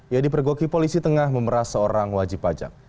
ya di pergoki polisi tengah memeras seorang wajib pajak